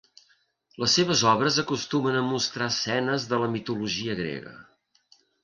Les seves obres acostumen a mostrar escenes de la mitologia grega.